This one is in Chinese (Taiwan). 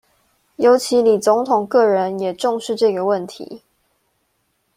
尤其李總統個人也重視這個問題